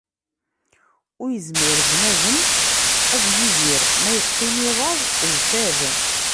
Ur yezmir bnadem ad yidir ma yeqqim i laẓ d fad